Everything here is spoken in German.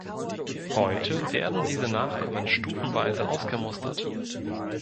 Heute werden diese Nachkommen stufenweise ausgemustert.